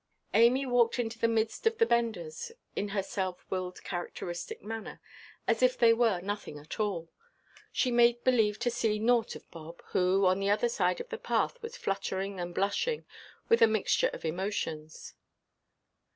Amy walked into the midst of the benders, in her self–willed, characteristic manner, as if they were nothing at all. She made believe to see nought of Bob, who, on the other side of the path was fluttering and blushing, with a mixture of emotions.